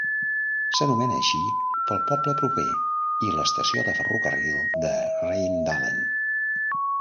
S'anomena així pel poble proper i l'estació de ferrocarril de Rheindahlen.